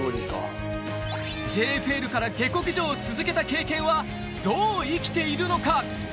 ＪＦＬから下克上を続けた経験は、どう生きているのか。